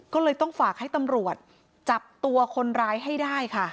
ก็เลยต้องฝากให้ตำรวจจับตัวคนร้ายให้ได้ค่ะ